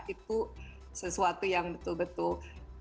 itu sesuatu yang betul betul